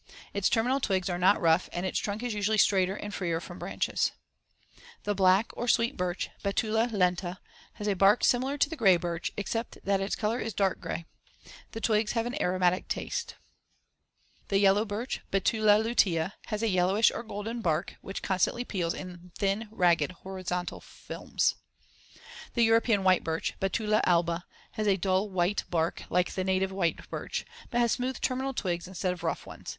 Its terminal twigs are not rough and its trunk is usually straighter and freer from branches. The black or sweet birch (Betula lenta) has a bark similar to the gray birch, except that its color is dark gray. See Fig. 51. The twigs have an aromatic taste. [Illustration: FIG. 54. Trunk of Blue Beech.] [Illustration: FIG. 55. Bark of the Ironwood.] The yellow birch (Betula lutea) has a yellowish or golden bark which constantly peels in thin, ragged, horizontal films. The European white birch (Betula alba) has a dull white bark like the native white birch, but has smooth terminal twigs instead of rough ones.